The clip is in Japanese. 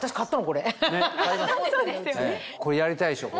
これやりたいでしょ。